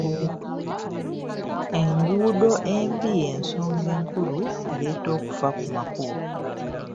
Enguudo embi y'ensonga enkulu ereeta okufa ku makubo.